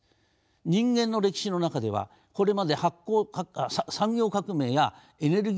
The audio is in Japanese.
人間の歴史の中ではこれまで産業革命やエネルギー革命